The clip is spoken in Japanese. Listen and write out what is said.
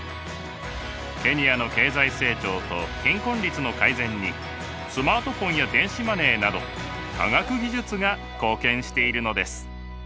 ケニアの経済成長と貧困率の改善にスマートフォンや電子マネーなど科学技術が貢献しているのです。